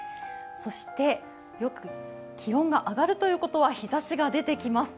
そして気温が上がるということは日ざしが出てきます。